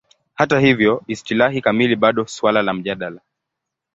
Hata hivyo, istilahi kamili bado suala la mjadala.